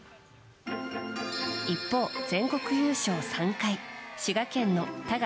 一方、全国優勝３回滋賀県の多賀